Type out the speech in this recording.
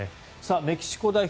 メキシコ代表